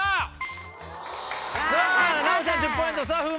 さぁ奈央ちゃん１０ポイントさぁ風磨。